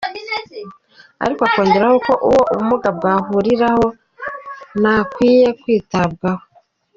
Ariko akongeraho ko uwo ubumuga bwahuriraho n’akwiye kwitabwaho.